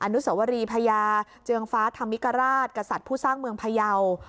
อนุสวรีพญาเจืองฟ้าธรรมิกราชกษัตริย์ผู้สร้างเมืองพยาว